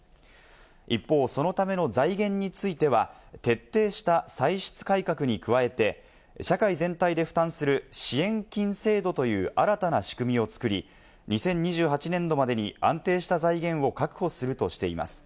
一方、そのための財源については、徹底した歳出改革に加えて社会全体で負担する支援金制度という新たな仕組みを作り、２０２８年度までに安定した財源を確保するとしています。